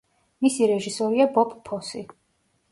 მისი რეჟისორია ბობ ფოსი.